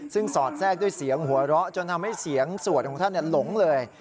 ซึ่งสอดแทรกด้วยเสียงหัวเราะจนทำให้เสียงสวดของท่านหลงเลย